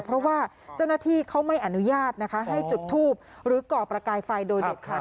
เพราะว่าเจ้าหน้าที่เขาไม่อนุญาตนะคะให้จุดทูบหรือก่อประกายไฟโดยเด็ดขาด